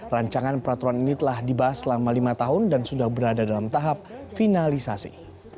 rancangan peraturan ini telah dibahas selama lima tahun dan sudah berada dalam tahap finalisasi